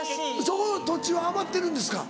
そこ土地は余ってるんですか？